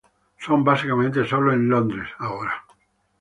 Son básicamente sólo en Londres ahora.